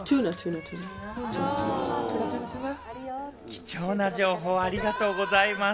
貴重な情報をありがとうございます。